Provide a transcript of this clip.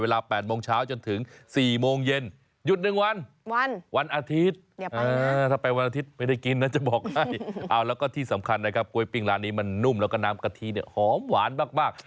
แล้วที่สำคัญนะครับกล้วยปิ้งร้านนี้มันนุ่มแล้วก็น้ำกะทิเนี่ยหอมหวานมาก